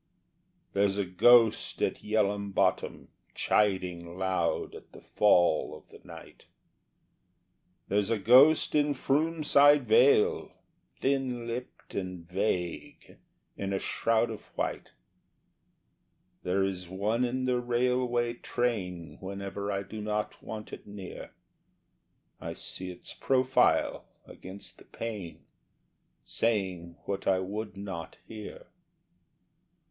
There's a ghost at Yell'ham Bottom chiding loud at the fall of the night, There's a ghost in Froom side Vale, thin lipped and vague, in a shroud of white, There is one in the railway train whenever I do not want it near, I see its profile against the pane, saying what I would not hear.